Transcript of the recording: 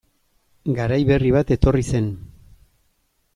Garai berri bat etorri zen...